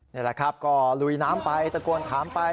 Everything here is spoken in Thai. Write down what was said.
นี่แหละครับก็ลุยน้ำไปตะโกนถามไป